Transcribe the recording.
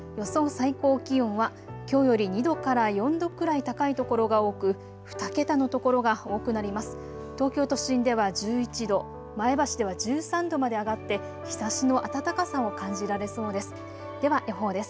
最高気温はきょうより２度から４度くらい高い所が多く２桁の所が多くなります。